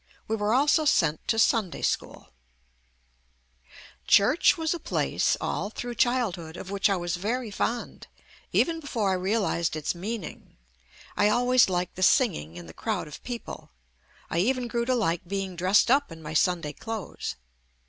We were also sent to Sunday school. JUST ME Church was a place all through childhood of which I was very fond, even before I realized its meaning. I always liked the singing and the.crowd of people. I even grew to like being dressed up in my Sunday clothes.